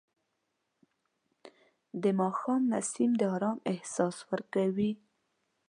د ماښام نسیم د آرام احساس ورکوي